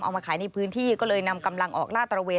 เอามาขายในพื้นที่ก็เลยนำกำลังออกล่าตระเวน